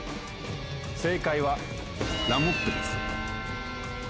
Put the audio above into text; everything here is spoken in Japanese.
正解はラモップです。